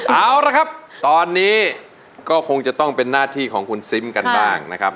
เอาละครับตอนนี้ก็คงจะต้องเป็นหน้าที่ของคุณซิมกันบ้างนะครับ